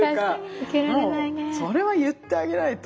それは言ってあげないと。